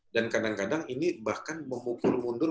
dan kadang kadang ini bahkan memukul mundur